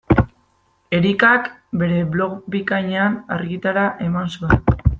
Erikak bere blog bikainean argitara eman zuen.